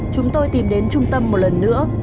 chúng tôi tìm đến trung tâm một lần nữa